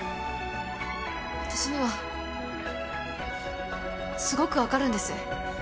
私には、すごく分かるんです。